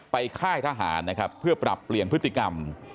ค่ายทหารนะครับเพื่อปรับเปลี่ยนพฤติกรรม